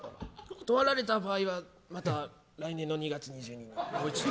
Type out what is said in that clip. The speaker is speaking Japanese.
断られた場合はまた来年の２月２２日に。